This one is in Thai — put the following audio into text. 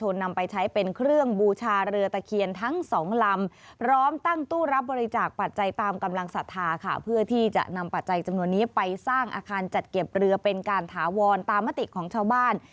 แล้วก็ทูบเทียนมาจัดเตรียมไว้ให้ประชาชน